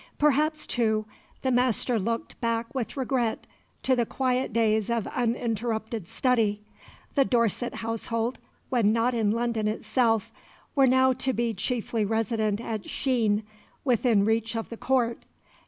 Perhaps, too, the master looked back with regret to the quiet days of uninterrupted study. The Dorset household, when not in London itself, were now to be chiefly resident at Sheen, within reach of the Court.